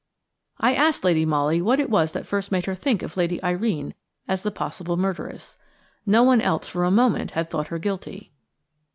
I asked Lady Molly what it was that first made her think of Lady Irene as the possible murderess. No one else for a moment had thought her guilty.